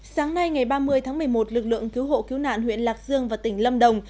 sáng nay ngày ba mươi tháng một mươi một lực lượng cứu hộ cứu nạn huyện lạc dương và tỉnh lâm đồng